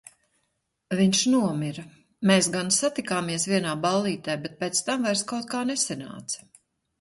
Viņš nomira. Mēs gan satikāmies vienā ballītē, bet pēc tam vairs kaut kā nesanāca.